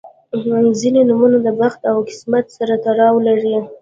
• ځینې نومونه د بخت او قسمت سره تړاو لري.